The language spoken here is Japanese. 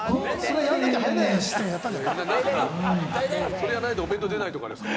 それやらないとお弁当でないとかですか？